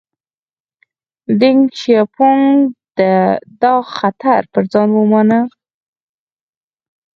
دینګ شیاپونګ دا خطر پر ځان ومانه.